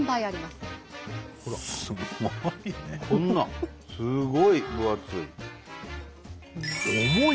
すごい分厚い！